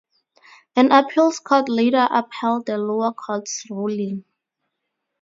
An appeals court later upheld the lower court's ruling.